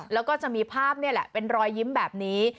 แล้วก็จะมีภาพนี่แหละเป็นรอยยิ้มแบบนี้